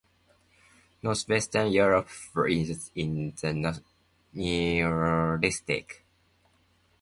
Northwestern Europe was in the Neolithic.